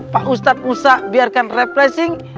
pak ustadz musa biarkan refreshing